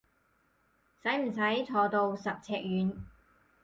使唔使坐到十尺遠？